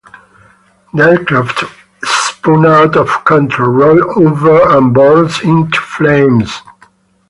The aircraft spun out of control, rolled over, and burst into flames.